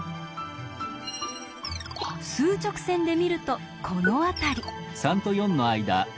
数直線で見るとこの辺り。